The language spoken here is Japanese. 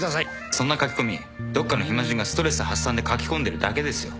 そんな書き込みどっかの暇人がストレス発散で書き込んでるだけですよ。